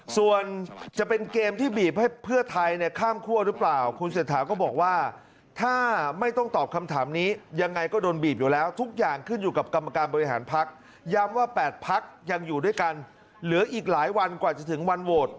ส่วนจะเป็นเกมที่บีบให้เพื่อไทยข้ามคั่วหรือเปล่า